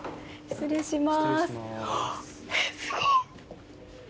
失礼します。